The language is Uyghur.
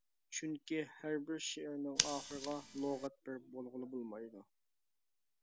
چۈنكى ھەربىر شېئىرنىڭ ئاخىرىغا «لۇغەت» بېرىپ بولغىلى بولمايدۇ.